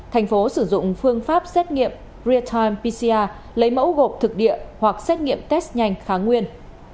thành phố sử dụng phương pháp xét nghiệm real time pcr lấy mẫu gộp thực địa hoặc xét nghiệm test nhanh kháng nguyên